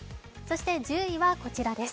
１０位はこちらです。